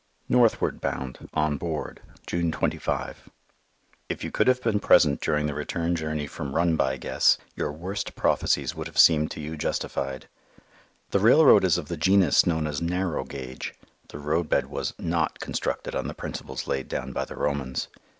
Northward Bound. On board June 25 If you could have been present during the return journey from Run by Guess your worst prophecies would have seemed to you justified. The railroad is of the genus known as narrow gauge; the roadbed was not constructed on the principles laid down by the Romans.